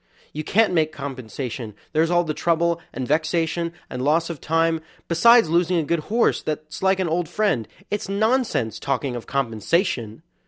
You can't make compensation; there's all the trouble, and vexation, and loss of time, besides losing a good horse that's like an old friend it's nonsense talking of compensation!